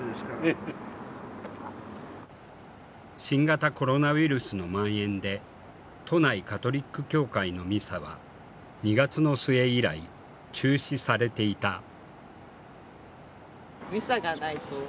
新型コロナウイルスのまん延で都内カトリック教会のミサは２月の末以来中止されていた。